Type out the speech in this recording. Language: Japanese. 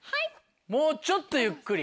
もうちょっとゆっくり。